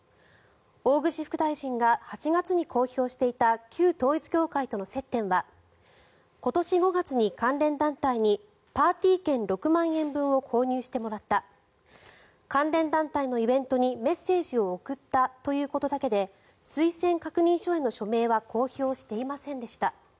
大串副大臣が８月に公表していた旧統一教会との接点は今年５月に関連団体にパーティー券６万円分を購入してもらった関連団体のイベントにメッセージを送ったということだけで推薦確認書への署名は公表していませんでした。